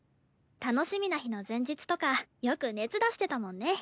楽しみな日の前日とかよく熱出してたもんね。